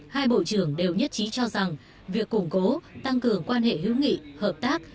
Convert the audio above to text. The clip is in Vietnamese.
hai bộ trưởng đều nhất trí cho rằng việc củng cố tăng cường quan hệ hữu nghị hợp tác